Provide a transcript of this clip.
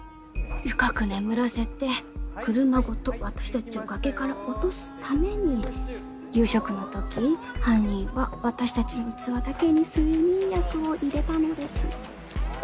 深く眠らせて車ごと私たちを崖から落とすために夕食の時犯人は私たちの器だけに睡眠薬を入れたのです。